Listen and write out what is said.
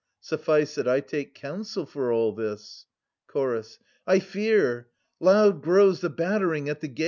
Su£Bce that I take counsel for all this. Chorus. I fear !— loud grows the battering at the gates